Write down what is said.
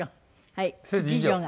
はい次女が？